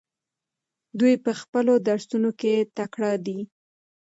دوی په خپلو درسونو کې تکړه دي.